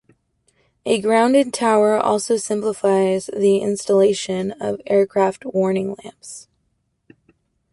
A grounded tower also simplifies the installation of aircraft warning lamps.